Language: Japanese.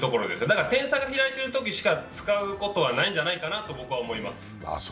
だから点差が開いているときしか使うことはないんじゃないかなと僕は思います。